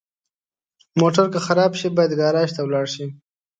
موټر که خراب شي، باید ګراج ته ولاړ شي.